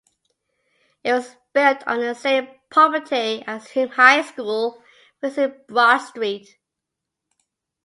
It was built on the same property as Hume High School, facing Broad Street.